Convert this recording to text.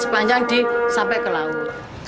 sepanjang sampai ke laut